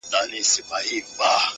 يو سړی لکه عالم درپسې ژاړي_